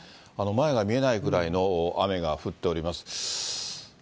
前が見えないぐらいの雨が降っております。